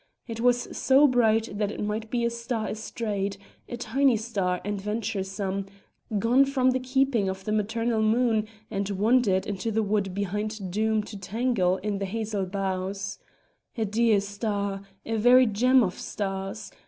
It was so bright that it might be a star estrayed, a tiny star and venturesome, gone from the keeping of the maternal moon and wandered into the wood behind Doom to tangle in the hazel boughs. A dear star! a very gem of stars!